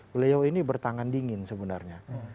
beliau ini bertangan dingin sebenarnya